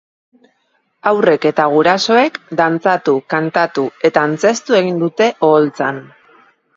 Haurrek eta gurasoek dantzatu, kantatu eta antzeztu egin dute oholtzan.